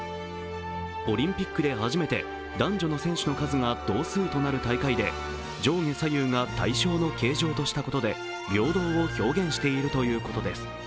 オリンピックで初めて男女の選手の数が同数となる大会で上下左右が対称の形状としたことで平等を表現しているということです。